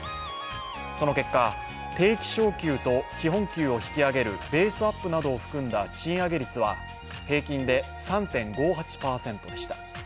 その結果、定期昇給と基本給を引き上げるベースアップなどを含んだ賃上げ率は平均で３．５８％でした。